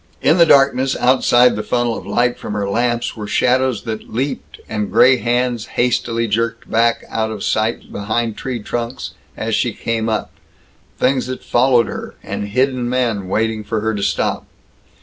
In the darkness outside the funnel of light from her lamps were shadows that leaped, and gray hands hastily jerked back out of sight behind tree trunks as she came up; things that followed her, and hidden men waiting for her to stop.